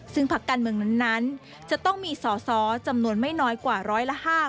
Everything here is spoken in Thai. ซึ่งพักการเมืองนั้นจะต้องมีสอสอจำนวนไม่น้อยกว่าร้อยละ๕